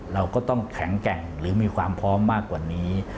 เราก็ต้องแข็งแกร่งหรือมีความพร้อมมากกว่านี้